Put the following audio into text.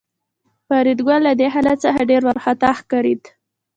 فریدګل له دې حالت څخه ډېر وارخطا ښکارېده